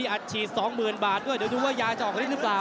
อัดฉีด๒๐๐๐บาทด้วยเดี๋ยวดูว่ายาจะออกฤทธิหรือเปล่า